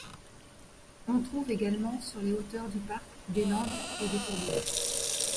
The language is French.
On trouve également sur les hauteurs du Parc des landes et des tourbières.